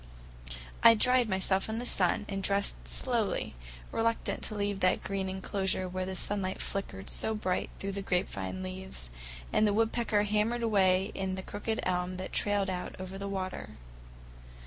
I dried myself in the sun, and dressed slowly, reluctant to leave that green enclosure where the sunlight flickered so bright through the grapevine leaves and the woodpecker hammered away in the crooked elm that trailed out over the water.